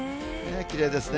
きれいですね。